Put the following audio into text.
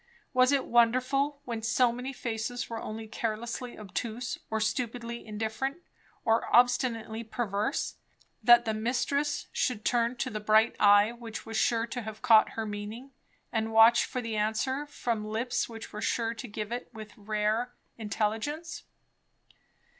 Was it wonderful, when so many faces were only carelessly obtuse, or stupidly indifferent, or obstinately perverse, that the mistress should turn to the bright eye which was sure to have caught her meaning, and watch for the answer from lips which were sure to give it with rare intelligence.